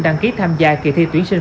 đăng ký tham gia kỳ thi tuyển sinh